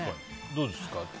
どうですか？